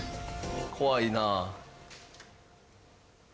怖いな。